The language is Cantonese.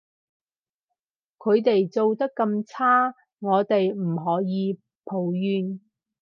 佢哋做得咁差，我哋唔可以抱怨？